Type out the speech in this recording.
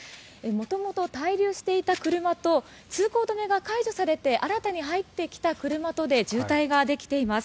元々滞留していた車と通行止めが解除されて新たに入ってきた車とで渋滞ができています。